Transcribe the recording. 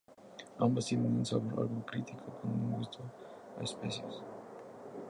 Ambas tienen un sabor algo cítrico, con un gusto a especias.